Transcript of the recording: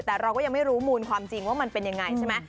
แต่เราก็ยังไม่รู้มูลความจริงว่ามันเป็นยังไงใช่ไหม